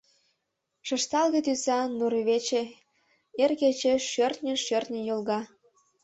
Шышталге тӱсан нурвече эр кечеш шӧртньын-шӧртньын йолга.